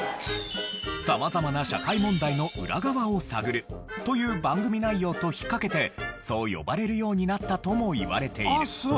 様々な社会問題の裏側を探るという番組内容と引っかけてそう呼ばれるようになったともいわれている。